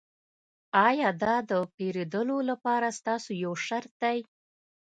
ایا دا د پیرودلو لپاره ستاسو یو شرط دی